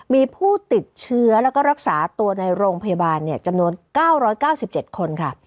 มีผู้ติดเชื้อแล้วก็รักษาตัวในโรงพยาบาลจำนวน๙๙๗คนค่ะ